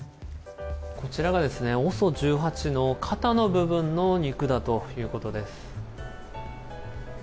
こちらがＯＳＯ１８の肩の部分の肉だということです。